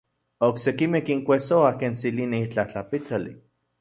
Oksekimej kinkuejsoa ken tsilini itlaj tlapitsali.